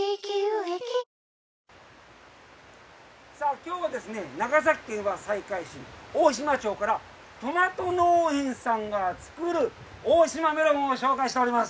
きょうはですね、長崎県は西海市大島町からとまと農園さんが作る大島メロンを紹介しております。